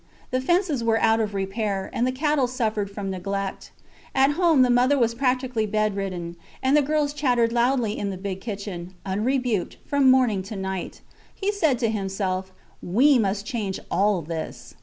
The fences were out of repair, and the cattle suffered from neglect. At home the mother was practically bedridden, and the girls chattered loudly in the big kitchen, unrebuked, from morning to night. He said to himself: We must change all this.